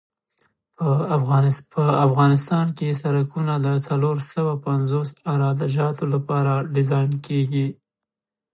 په افغانستان کې سرکونه د څلور سوه پنځوس عراده جاتو لپاره ډیزاین کیږي